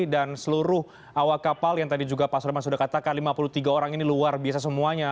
dan seluruh awak kapal yang tadi juga pak soleman sudah katakan lima puluh tiga orang ini luar biasa semuanya